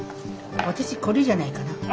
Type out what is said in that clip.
私これじゃないかな。